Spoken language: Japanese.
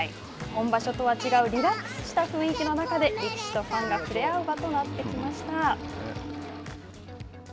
本場所とは違うリラックスした雰囲気の中で力士とファンが触れ合う場となってきました。